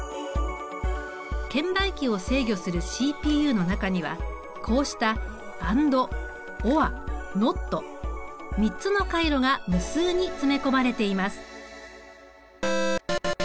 券売機を制御するＣＰＵの中にはこうしたＡＮＤＯＲＮＯＴ３つの回路が無数に詰め込まれています。